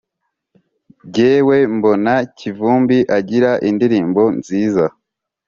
jyewe mbona kivumbi agira indirimbo nziza